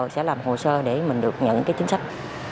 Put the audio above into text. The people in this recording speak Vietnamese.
sẽ làm hồ sơ để mình được nhận cái chính sách